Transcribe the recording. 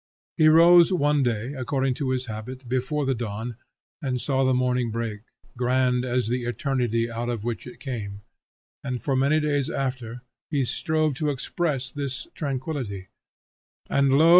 He rose one day, according to his habit, before the dawn, and saw the morning break, grand as the eternity out of which it came, and for many days after, he strove to express this tranquillity, and lo!